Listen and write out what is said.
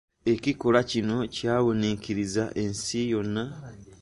Ekikolwa kino kyawuniikirizza ensi yonna.